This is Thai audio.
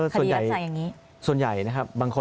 ส่วนใหญ่ส่วนใหญ่นะครับบางคน